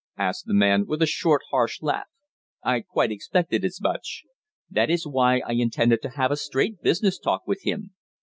asked the man, with a short, harsh laugh. "I quite expected as much. That is why I intended to have a straight business talk with him."